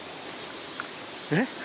えっ？